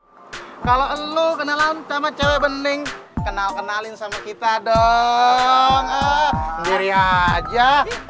hai kalau lu kenalan sama cewek bening kenal kenalin sama kita dong sendiri aja